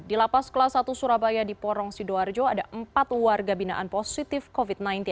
di lapas kelas satu surabaya di porong sidoarjo ada empat warga binaan positif covid sembilan belas